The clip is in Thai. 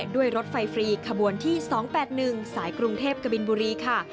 ด้วยรถไฟฟรีขบวนที่๒๘๑สายกรุงเทพกบินบุรีค่ะ